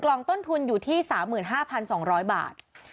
กล่องต้นทุนอยู่ที่๓๕๒๐๐บาท